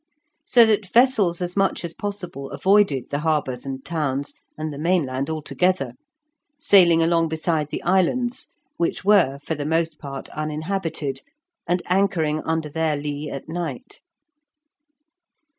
So that vessels as much as possible avoided the harbours and towns, and the mainland altogether, sailing along beside the islands, which were, for the most part, uninhabited, and anchoring under their lee at night.